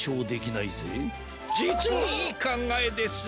じつにいいかんがえです。